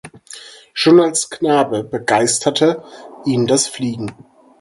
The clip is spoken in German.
Schon als Knabe begeisterte ihn das Fliegen.